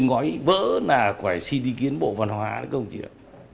thì ngói vỡ là phải xin ý kiến bộ văn hóa đấy các ông chí ạ